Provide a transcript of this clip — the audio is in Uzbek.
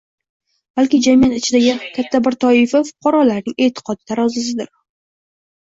balki jamiyat ichidagi katta bir toifa fuqarolarning e’tiqodi taqozosidir.